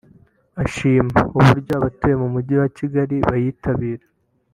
ashima uburyo abatuye umujyi wa Kigali bayitabira